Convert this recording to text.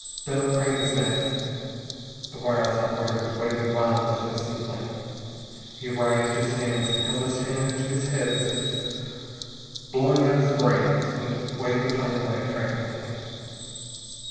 Bell craned his neck. The wireless operator was waving wildly to the seaplane. He writhed his hands, and held his hand to his head is if blowing out his brains, and waved the plane away, frantically.